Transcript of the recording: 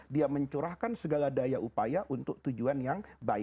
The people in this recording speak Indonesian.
dia mencurahkan segala daya upaya untuk tujuan allah